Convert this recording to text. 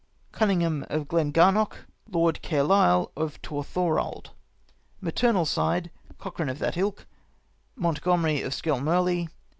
" Cunningham of Glengarnock. " Lord Cairlyle of Torthorald. " MATEENAL SIDE. " Cochran of that Ilk. " Montgomery of Skelmurly.